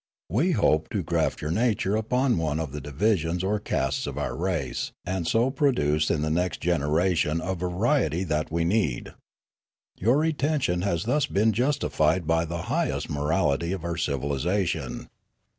We hope to graft your nature upon one of the divisions or castes of our race and so produce in the next generation a variety that we need. Your retention has thus been justified by the highest morality of our civilisation.